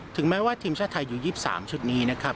แม้ว่าทีมชาติไทยอยู่๒๓ชุดนี้นะครับ